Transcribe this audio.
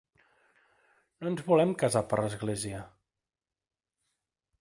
No ens volem casar per l'església.